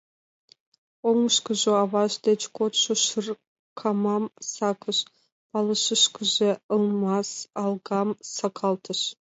Оҥышкыжо аваж деч кодшо шыркамам сакыш, пылышышкыже алмаз алгам сакалтыш.